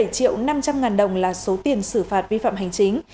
sáu mươi bảy triệu năm trăm linh ngàn đồng là số tiền xử phạt vi phạm hành chính